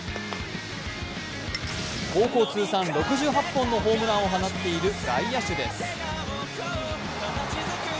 高校通算６８本のホームランを放っている外野手です。